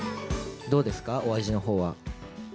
どうですか、お味のほうは。